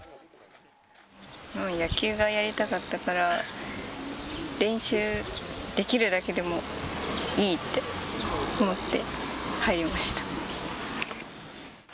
野球がやりたかったから、練習できるだけでもいいって思って入りました。